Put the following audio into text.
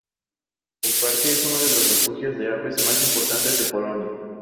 El Parque es uno de los refugios de aves más importantes de Polonia.